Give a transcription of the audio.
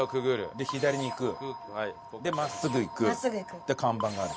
で左に行く。で真っすぐ行く。で看板がある。